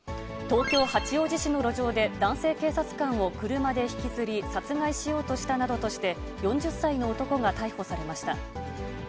東京・八王子市の路上で、男性警察官を車で引きずり、殺害しようとしたなどとして、４０歳の男が逮捕されました。